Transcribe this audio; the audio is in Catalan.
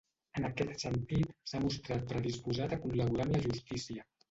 En aquest sentit, s’ha mostrat predisposat a col·laborar amb la justícia.